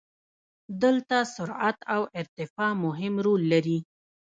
دلته سرعت او ارتفاع مهم رول لري.